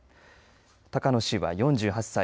高野氏は４８歳。